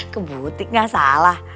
ke butik gak salah